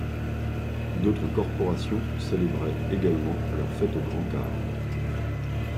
D’autres corporations célébraient également leur fête aux Grands-Carmes.